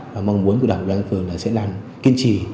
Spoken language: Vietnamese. và mong muốn của đảng đoàn phường là sẽ làm kiên trì